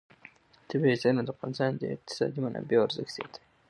طبیعي زیرمې د افغانستان د اقتصادي منابعو ارزښت زیاتوي.